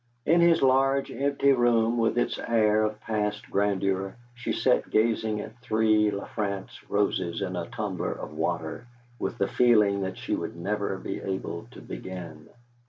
In his large empty room, with its air of past grandeur, she sat gazing at three La France roses in a tumbler of water with the feeling that she would never be able to begin.